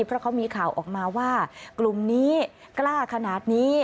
เพราะเขามีข่าวออกมาว่ากลุ่มนี้กล้าขนาดนี้